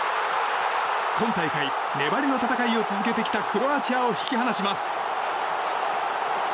今大会、粘りの戦いを続けてきたクロアチアを引き離します。